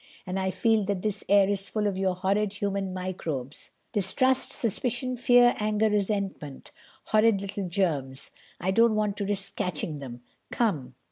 And I feel that this air is full of your horrid human microbes—distrust, suspicion, fear, anger, resentment—horrid little germs. I don't want to risk catching them. Come."